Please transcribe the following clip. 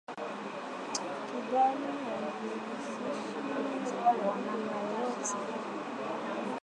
Kigali haijihusishi kwa namna yoyote na mashambulizi ya waasi hao nchini Jamuhuri ya Demokrasia ya Kongo